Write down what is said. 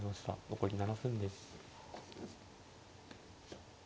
残り７分です。